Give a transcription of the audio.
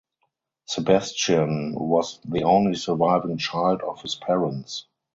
Sebastian was the only surviving child of his parents.